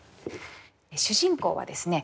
主人公はですね